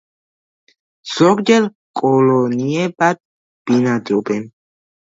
ზოგჯერ კოლონიებად ბინადრობენ.